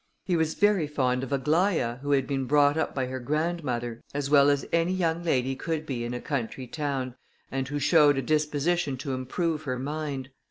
He was very fond of Aglaïa, who had been brought up by her grandmother, as well as any young lady could be in a country town, and who showed a disposition to improve her mind.